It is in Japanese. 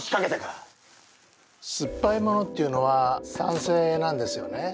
酸っぱいものっていうのは酸性なんですよね。